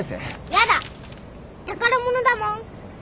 やだ宝物だもん。